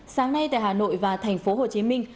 sáng nay tại hà nội và thành phố hồ chí minh